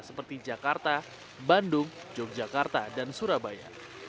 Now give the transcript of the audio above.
seperti jakarta bandung yogyakarta dan surabaya